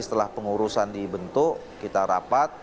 setelah pengurusan dibentuk kita rapat